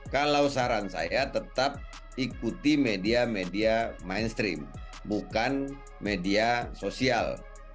kalau saran saya tetap ikuti media media mainstream bukan media sosial